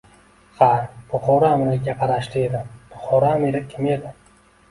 — Ha, Buxoro amirligiga qarashli edi. Buxoro amiri kim edi?